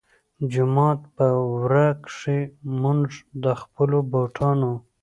جومات پۀ ورۀ کښې مونږ د خپلو بوټانو